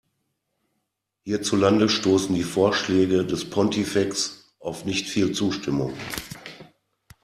Hierzulande stoßen die Vorschläge des Pontifex auf nicht viel Zustimmung.